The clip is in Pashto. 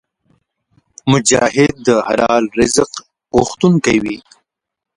مجاهد د حلال رزق غوښتونکی وي.